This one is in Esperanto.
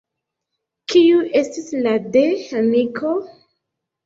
Kiu estis la de amiko?